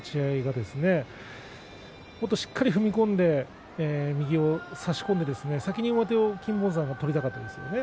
もっとしっかり踏み込んで右を差し込んで先に上手を金峰山が取りたかったですよね。